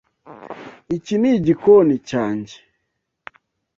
Iki ni igikoni cyanjye.